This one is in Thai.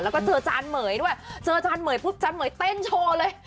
แล้วก็เจอจานเหม๋ยด้วยเจอจานเหม๋ยปุ๊บจานเหม๋ยเต้นโชว์เลย